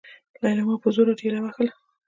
ليلما يې په زوره ټېلوهله.